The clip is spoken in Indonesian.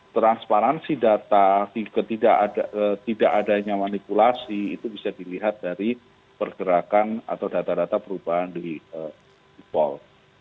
transparansi data tidak adanya manipulasi itu bisa dilihat dari pergerakan atau data data perubahan di sipol